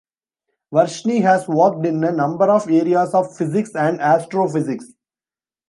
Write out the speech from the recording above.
Varshni has worked in a number of areas of physics and astrophysics.